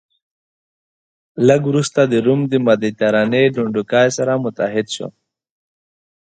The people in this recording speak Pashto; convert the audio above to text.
لږ وروسته روم د مدترانې ډنډوکی سره متحد شو.